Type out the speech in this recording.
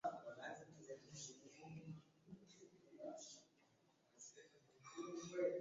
alisoma katika shule ya wavulana ya bwiru iliyoko jijini mwanza